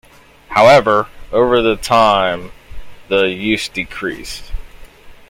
However, over the time the use decreased.